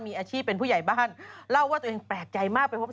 มีอาชีพเป็นผู้ใหญ่บ้านเล่าว่าตัวเองแปลกใจมากไปพบ